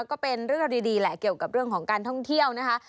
ก็เป็นเรื่องราวดีแหละเกี่ยวกับเรื่องของการท่องเที่ยวนะคะ